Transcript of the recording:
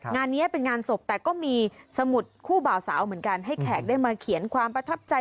งานนี้เป็นงานศพแต่ก็มีสมุดคู่บ่าวสาวเหมือนกันให้แขกได้มาเขียนความประทับใจ